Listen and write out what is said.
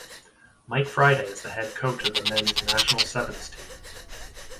Mike Friday is the head coach of the men's national sevens team.